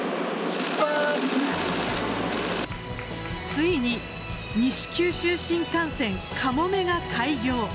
ついに西九州新幹線かもめが開業。